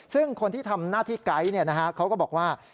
ซึ่งคนที่ทำหน้าที่ไกด์เขาก็บอกว่า